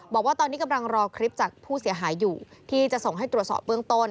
บอกว่าตอนนี้กำลังรอคลิปจากผู้เสียหายอยู่ที่จะส่งให้ตรวจสอบเบื้องต้น